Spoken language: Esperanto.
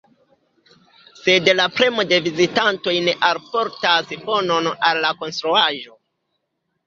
Sed la premo de vizitantoj ne alportas bonon al la konstruaĵo.